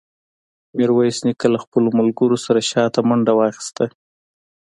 ميرويس نيکه له خپلو ملګرو سره شاته منډه واخيسته.